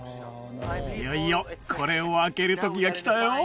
いよいよこれを開けるときがきたよ